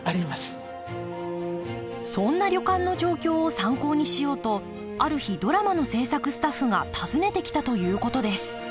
そんな旅館の状況を参考にしようとある日ドラマの制作スタッフが訪ねてきたということです